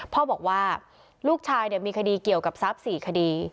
พ่อบอกว่าลูกชายมีคดีเกี่ยวกับทรัพย์๔คดี